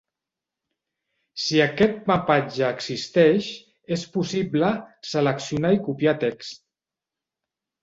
Si aquest mapatge existeix, és possible seleccionar i copiar text.